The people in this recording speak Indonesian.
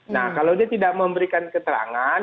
nah kalau dia tidak memberikan keterangan